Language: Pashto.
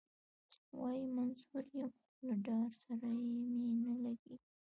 وايي منصور یم خو له دار سره مي نه لګیږي.